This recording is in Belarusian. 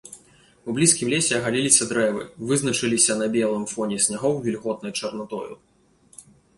У блізкім лесе агаліліся дрэвы, вызначаліся на белым фоне снягоў вільготнай чарнатою.